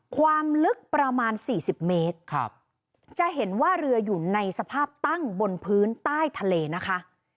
ความลึกประมาณสี่สิบเมตรครับจะเห็นว่าเรืออยู่ในสภาพตั้งบนพื้นใต้ทะเลนะคะ